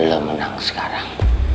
lo menang sekarang